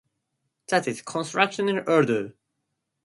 That is Constitutional order.